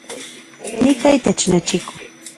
Nika itech nechikol